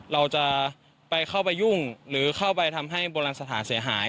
เราจะไปเข้าไปยุ่งหรือเข้าไปทำให้โบราณสถานเสียหาย